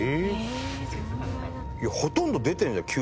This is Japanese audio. いやほとんど出てるんじゃない？